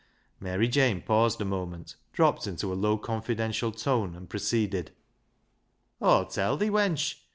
Mary Jane paused a moment, dropped into a low, confidential tone, and proceeded —" Aw'll tell thi, wench.